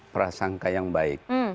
prasangka yang baik